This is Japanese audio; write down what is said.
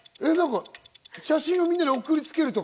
写真をみんなに送りつけるとか？